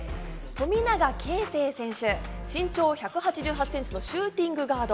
富永啓生選手、身長１８８ｃｍのシューティングガード。